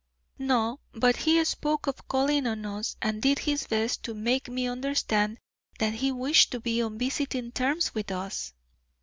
"No; but he spoke of calling on us, and did his best to make me understand that he wished to be on visiting terms with us."